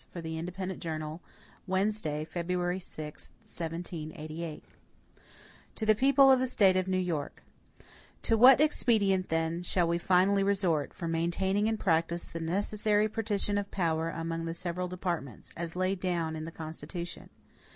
For the Independent Journal. Wednesday, February 6, 1788. MADISON To the People of the State of New York: TO WHAT expedient, then, shall we finally resort, for maintaining in practice the necessary partition of power among the several departments, as laid down in the Constitution?